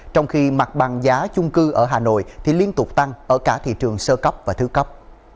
trong khi mặt bằng giá chung cư ở hà nội liên tục tăng ở cả thị trường sơ cấp và thứ cấp